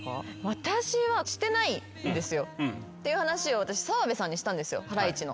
私は。っていう話を私澤部さんにしたんですよハライチの。